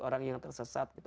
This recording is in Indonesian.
orang yang tersesat gitu